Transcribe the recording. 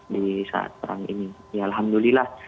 jadi saat perang ini ya alhamdulillah